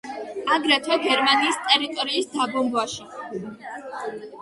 აგრეთვე გერმანიის ტერიტორიის დაბომბვაში.